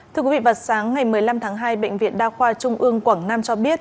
thưa quý vị vào sáng ngày một mươi năm tháng hai bệnh viện đa khoa trung ương quảng nam cho biết